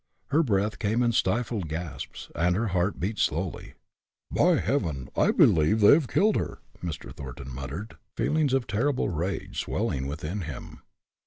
Her breath came in stifled gasps, and her heart beat slowly. "By Heaven! I believe they have killed her!" Mr. Thornton muttered, feelings of terrible rage swelling within him.